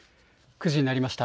９時になりました。